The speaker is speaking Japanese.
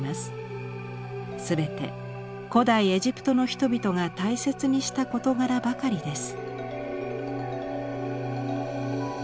全て古代エジプトの人々が大切にした事柄ばかりです。